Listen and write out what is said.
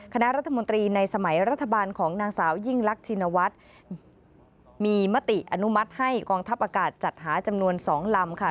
คณะรัฐมนตรีในสมัยรัฐบาลของนางสาวยิ่งลักชินวัฒน์มีมติอนุมัติให้กองทัพอากาศจัดหาจำนวน๒ลำค่ะ